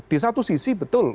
di satu sisi betul